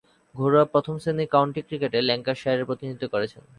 ঘরোয়া প্রথম-শ্রেণীর কাউন্টি ক্রিকেটে ল্যাঙ্কাশায়ারের প্রতিনিধিত্ব করেছেন।